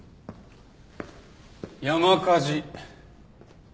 山火事。